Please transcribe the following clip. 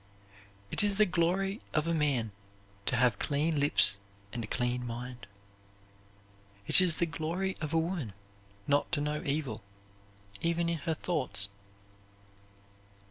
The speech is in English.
It is the glory of a man to have clean lips and a clean mind. It is the glory of a woman not to know evil, even in her thoughts.